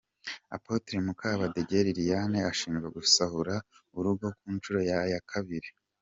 Apotre Mukabadege Liliane ashinjwa gusahura urugo ku nshuro ye ya kabiri.